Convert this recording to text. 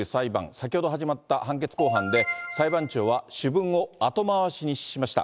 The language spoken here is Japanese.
先ほど始まった判決公判で、裁判長は主文を後回しにしました。